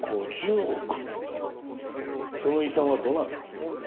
その遺産はどなたが？